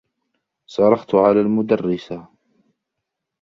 صرخت على المدرّسة.